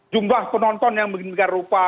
jumlah penonton yang begitu rupa